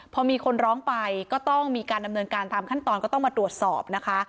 พอมีคนร้องไปก็ต้องมีการดำเนินการตามขั้นตอนก็ต้องมาตรวจสอบนะคะ